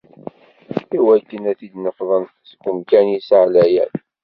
Iwakken ad t-id-nefḍen seg umkan-is ɛlayen.